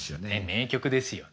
名曲ですよね。